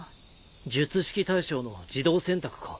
術式対象の自動選択か？